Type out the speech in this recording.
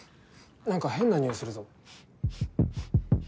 何か変なにおいするぞ。